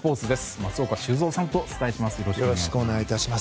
松岡修造さんとお伝えします。